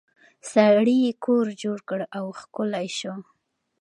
سړي کور جوړ کړ او ښکلی شو.